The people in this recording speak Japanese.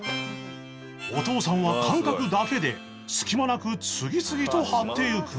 お父さんは感覚だけで隙間なく次々と貼っていく